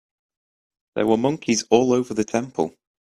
There were monkeys all over the temple.